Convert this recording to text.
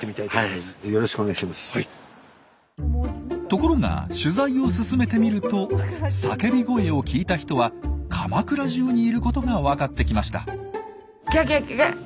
ところが取材を進めてみると叫び声を聞いた人は鎌倉じゅうにいることがわかってきました。